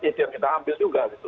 kita ambil juga